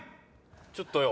ちょっとよ。